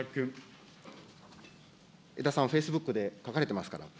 えださん、フェイスブックで書かれてますから。